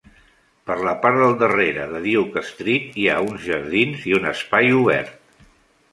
Per la part del darrere de Duke Street hi ha uns jardins i un espai obert.